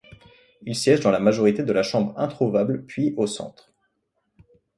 Il siège dans la majorité de la Chambre introuvable puis au centre.